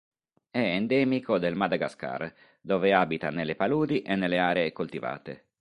È endemico del Madagascar, dove abita nelle paludi e nelle aree coltivate.